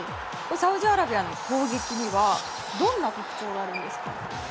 サウジアラビアの攻撃にはどんな特徴があるんですか？